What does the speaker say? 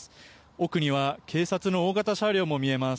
奥には警察の大型車両も見えます。